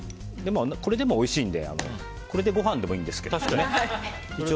これでもおいしいのでこれでご飯でもいいんですけど。